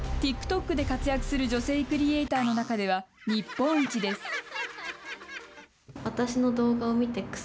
ＴｉｋＴｏｋで活躍する女性クリエイターの中では日本一です。